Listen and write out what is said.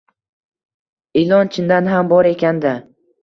ilon chindan ham bor ekan-da